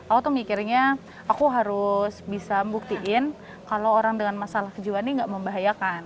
aku tuh mikirnya aku harus bisa membuktiin kalau orang dengan masalah kejiwaan ini gak membahayakan